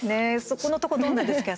そこのとこどうなんですか？